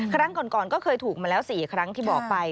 ครั้งก่อนก็เคยถูกมาแล้ว๔ครั้งที่บอกไป